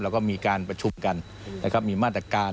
เราก็มีการประชุมกันมีมาตรการ